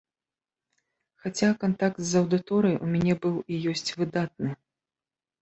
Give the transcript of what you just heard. Хаця, кантакт з аўдыторыяй у мяне быў і ёсць выдатны.